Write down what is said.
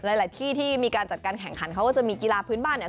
หลายที่ที่มีการจัดการแข่งขันเขาก็จะมีกีฬาพื้นบ้านเนี่ย